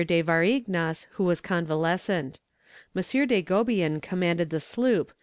de Varignas, who was convalescent. M. de Gobien commanded the sloop, M.